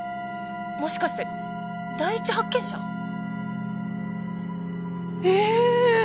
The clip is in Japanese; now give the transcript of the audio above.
もしかして第一発見者？ええーっ！